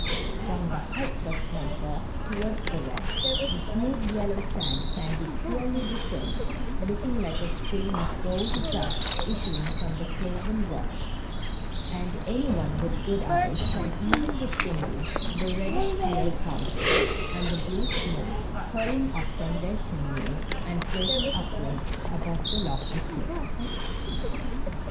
From the heights of Grandport, towards the west, the smooth yellow sand can be clearly discerned, looking like a stream of gold dust issuing from the cloven rocks, and any one with good eyes can even distinguish the reddish colored houses and the blue smoke curling from their chimneys and floating upwards above the lofty clifi*.